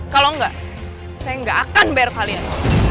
kalau enggak saya nggak akan bayar kalian